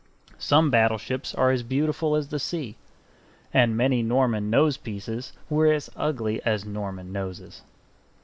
Some battleships are as beautiful as the sea; and many Norman nosepieces were as ugly as Norman noses.